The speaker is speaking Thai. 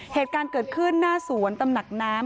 เหตุการณ์เกิดขึ้นหน้าสวนตำหนักน้ำ